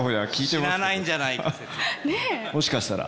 もしかしたら。